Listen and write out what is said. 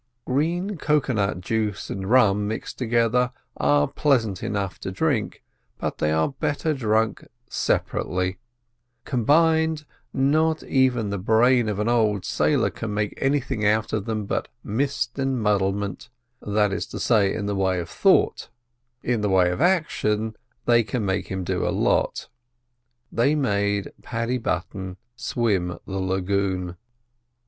Green cocoa nut juice and rum mixed together are pleasant enough to drink, but they are better drunk separately; combined, not even the brain of an old sailor can make anything of them but mist and muddlement; that is to say, in the way of thought—in the way of action they can make him do a lot. They made Paddy Button swim the lagoon.